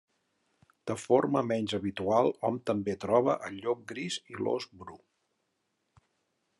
De forma menys habitual hom també troba el llop gris i l'ós bru.